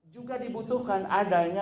juga dibutuhkan adanya